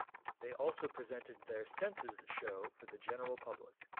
They also presented their Senses show for the general public.